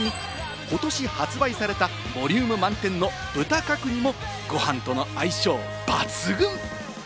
さらに、ことし発売されたボリューム満点の豚角煮もご飯との相性抜群。